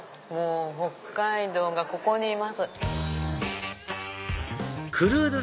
北海道がここにいます。